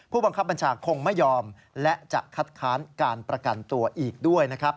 ผู้บังคับบัญชาคงไม่ยอมและจะคัดค้านการประกันตัวอีกด้วยนะครับ